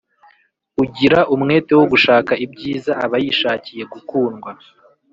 ugira umwete wo gushaka ibyiza aba yishakiye gukundwa,